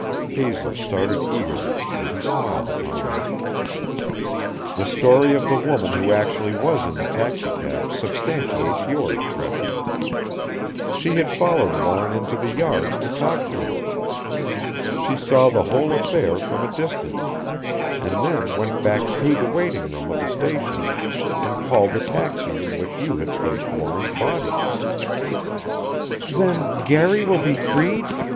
Hazel started eagerly and he smiled upon her. "The story of the woman who actually was in the taxicab substantiates yours, Gresham. She had followed Warren into the yards to talk to him. She saw the whole affair from a distance and then went back through the waiting room of the station and called the taxi in which you had placed Warren's body." "Then Garry will be freed?"